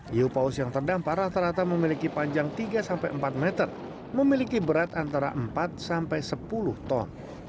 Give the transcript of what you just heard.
hiu paus yang terdampar rata rata memiliki panjang tiga sampai empat meter memiliki berat antara empat sampai sepuluh ton